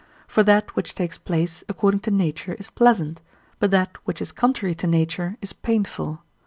For that which takes place according to nature is pleasant, but that which is contrary to nature is painful.